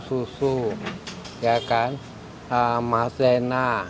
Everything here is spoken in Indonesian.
untuk itu juga bisa disantap dengan roti jadi campuran minuman soda atau ya disantap es krimnya saja